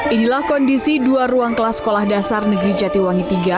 inilah kondisi dua ruang kelas sekolah dasar negeri jatiwangi iii